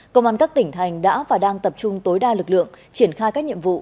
công an các tỉnh thành đã và đang tập trung tối đa lực lượng triển khai các nhiệm vụ